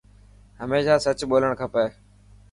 هميشه سچ ٻولڻ کپي.